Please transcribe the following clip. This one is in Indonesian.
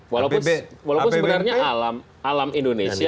walaupun sebenarnya alam indonesia